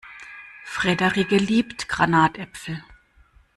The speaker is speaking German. Frederike liebt Granatäpfel.